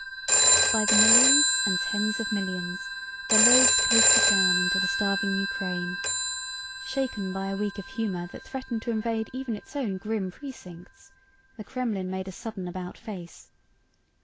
By the millions and tens of millions, the loaves coasted down into the starving Ukraine. Shaken by a week of humor that threatened to invade even its own grim precincts, the Kremlin made a sudden about face.